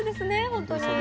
本当に。